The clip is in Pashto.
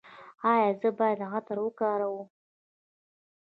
ایا زه باید عطر وکاروم؟